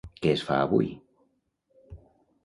Què es fa avui?